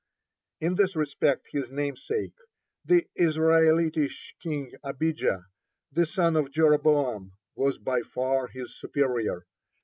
(16) In this respect his namesake, the Israelitish king Abijah, the son of Jeroboam, was by far his superior.